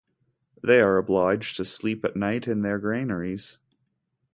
They are obliged to sleep at night in their granaries.